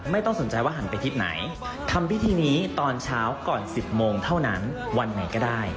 ไม่ต้องสนใจว่าหันไปทิศไหนทำพิธีนี้ตอนเช้าก่อน๑๐โมงเท่านั้นวันไหนก็ได้